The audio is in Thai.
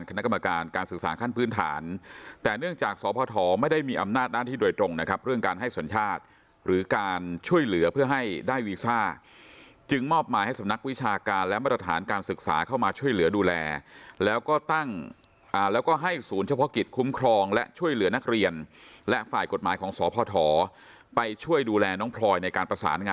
คณะกรรมการการศึกษาขั้นพื้นฐานแต่เนื่องจากสพไม่ได้มีอำนาจหน้าที่โดยตรงนะครับเรื่องการให้สัญชาติหรือการช่วยเหลือเพื่อให้ได้วีซ่าจึงมอบหมายให้สำนักวิชาการและมาตรฐานการศึกษาเข้ามาช่วยเหลือดูแลแล้วก็ตั้งแล้วก็ให้ศูนย์เฉพาะกิจคุ้มครองและช่วยเหลือนักเรียนและฝ่ายกฎหมายของสพไปช่วยดูแลน้องพลอยในการประสานง